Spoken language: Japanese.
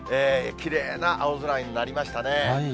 きれいな青空になりましたね。